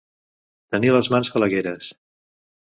Tenir les mans falagueres.